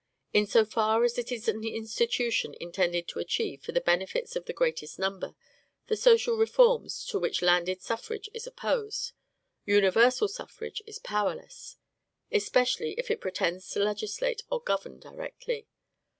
In so far as it is an institution intended to achieve, for the benefit of the greatest number, the social reforms to which landed suffrage is opposed, universal suffrage is powerless; especially if it pretends to legislate or govern directly.